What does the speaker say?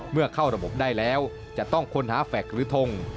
เข้าระบบได้แล้วจะต้องค้นหาแฟคหรือทง